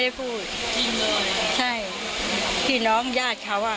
อ่ะไม่ได้พูดจริงเลยใช่พี่น้องญาติเขาอ่ะ